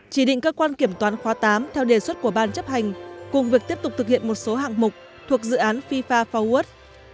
chỉ định cơ quan kiểm toán khóa tám theo đề xuất của ban chấp hành cùng việc tiếp tục thực hiện một số hạng mục thuộc dự án fifa fourd